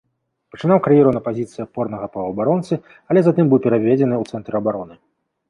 Пачынаў кар'еру на пазіцыі апорнага паўабаронцы, але затым быў пераведзены ў цэнтр абароны.